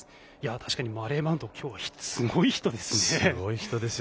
確かにマレー・マウント今日、すごい人ですね。